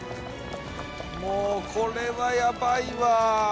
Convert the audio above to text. もうこれはやばいわ。